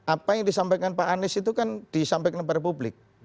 apa yang disampaikan pak anies itu kan disampaikan kepada publik